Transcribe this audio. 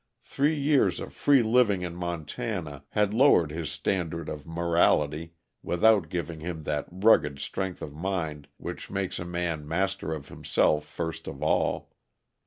Three years of free living in Montana had lowered his standard of morality without giving him that rugged strength of mind which makes a man master of himself first of all.